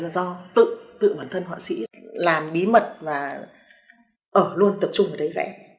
là do tự tự bản thân họa sĩ làm bí mật và ở luôn tập trung ở đấy vẽ